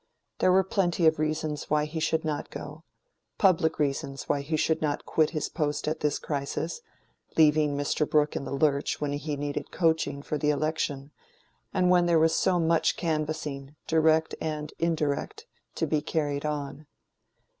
There were plenty of reasons why he should not go—public reasons why he should not quit his post at this crisis, leaving Mr. Brooke in the lurch when he needed "coaching" for the election, and when there was so much canvassing, direct and indirect, to be carried on.